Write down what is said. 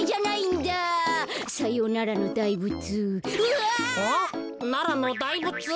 ん？ならのだいぶつ？